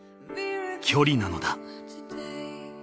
距離なのだ］